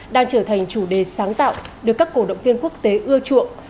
đang trở thành chủ đề sáng tạo được các cổ động viên quốc tế ưa chuộng